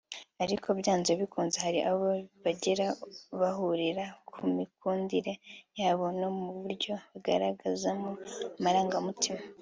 Ariko byanze bikunze hari aho bagira bahurira ku mikundire yabo no mu buryo bagaragazamo amarangamutima